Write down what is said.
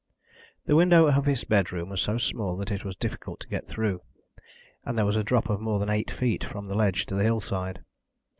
The window of his bedroom was so small that it was difficult to get through, and there was a drop of more than eight feet from the ledge to the hillside.